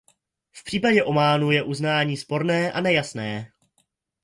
V případě Ománu je uznání sporné a nejasné.